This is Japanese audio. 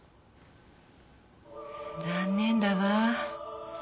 残念だわ。